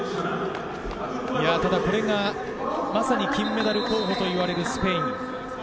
これがまさに金メダル候補と言われるスペイン。